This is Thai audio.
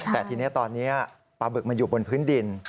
แต่ทีนี้ตอนนี้ปลาบึกมันอยู่บนพื้นดิน